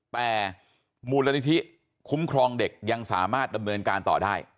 แต่มูลนิธิคุ้มครองเด็กยังสามารถดำเนินการต่อได้